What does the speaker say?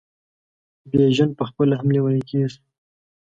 بیژن پخپله هم لېونی کیږي.